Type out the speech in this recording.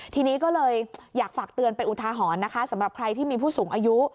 ทีนี้ก็เลยอยากฝากเตือนไปอุทาหรณ์นะคะสำหรับใครที่มีผู้สูงอายุ